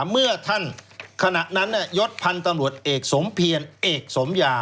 เมื่อท่านขณะนั้นยศพันธ์ตำรวจเอกสมเพียรเอกสมยา